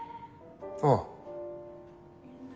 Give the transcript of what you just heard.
ああ。